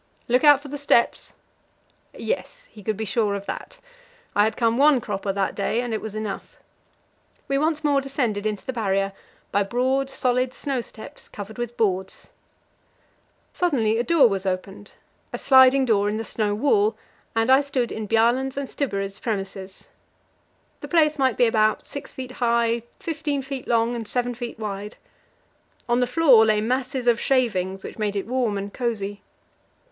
"Look out for the steps!" Yes, he could be sure of that; I had come one cropper that day, and it was enough. We once more descended into the Barrier by broad, solid snow steps covered with boards. Suddenly a door was opened a sliding door in the snow wall and I stood in Bjaaland's and Stubberud's premises. The place might be about 6 feet high, 15 feet long, and 7 feet wide. On the floor lay masses of shavings, which made it warm and cosy.